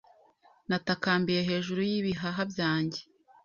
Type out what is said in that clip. Natakambiye hejuru y'ibihaha byanjye.